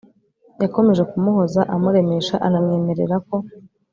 yakomeje kumuhoza amuremesha………anamwemererako